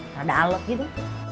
rada alet gitu